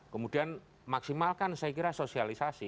kemudian maksimalkan saya kira sosialisasi